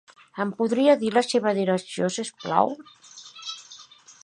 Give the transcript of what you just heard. Em podria dir la seva direcció, si us plau?